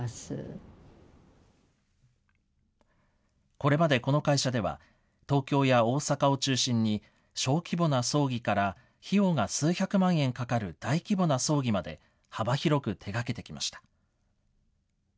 これまでこの会社では東京や大阪を中心に、小規模な葬儀から費用が数百万円かかる大規模な葬儀まで幅広く手がけてきました。